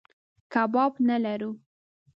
کباب نه لرو.